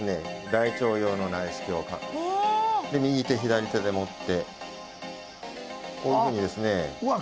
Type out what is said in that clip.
大腸用の内視鏡で右手左手で持ってこういうふうにですねうわ